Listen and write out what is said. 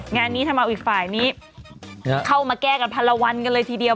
งานนี้ทำเอาอีกฝ่ายนี้เข้ามาแก้กันพันละวันกันเลยทีเดียว